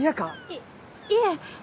いいえ。